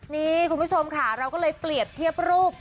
นี่คุณผู้ชมค่ะเราก็เลยเปรียบเทียบรูป